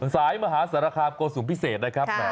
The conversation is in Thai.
สายมหาสระค่ำกกพิเศษได้ครับ